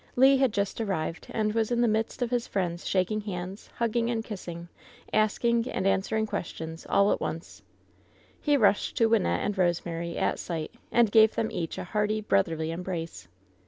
Le had just arrived, and was in the midst of his friends shaking hands, hugging and kissing, asking and answering questions, all at once. He rushed to Wynnette and Rosemary "at sight," and gave them each a hearty, brotherly embrace.